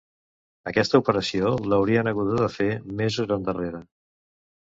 Aquesta operació, l'haurien haguda de fer mesos endarrere.